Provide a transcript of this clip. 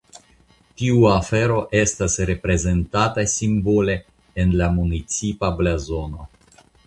Tiu afero estas reprezentata simbole en la municipa blazono.